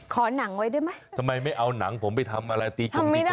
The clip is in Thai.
ขอนังไว้ได้ไหมทำไมไม่เอานังผมไม่ทำมาลักษณ์กรรมดีกรอบ